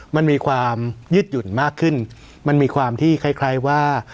มันมีความยืดหยุ่นมากขึ้นมันมีความที่คล้ายว่า